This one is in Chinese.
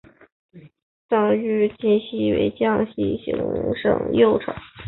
邓愈晋升为江西行省右丞。